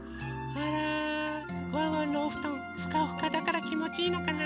あらワンワンのおふとんふかふかだからきもちいいのかな？